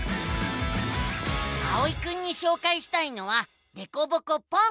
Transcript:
あおいくんにしょうかいしたいのは「でこぼこポン！」。